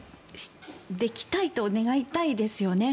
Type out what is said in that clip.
できたいと願いたいですよね。